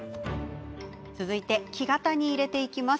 続いて木型に入れていきます。